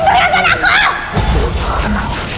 balikin perhiasan aku